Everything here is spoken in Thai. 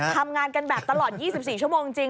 ทำงานกันแบบตลอด๒๔ชั่วโมงจริง